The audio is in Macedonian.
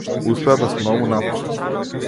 Успеа без многу напори.